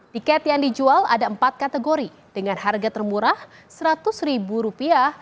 tiket yang dijual ada empat kategori dengan harga termurah seratus ribu rupiah